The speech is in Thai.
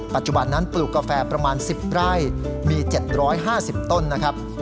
ปัจจุบันนั้นปลูกกาแฟประมาณ๑๐ไร่มี๗๕๐ต้นนะครับ